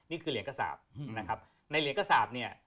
นี้คือเหรียญกษาปในเหรียญกษาป